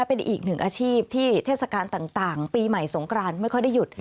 เป็นอีกหนึ่งอาชีพที่เทศกาลต่างปีใหม่สงครานไม่ค่อยได้หยุด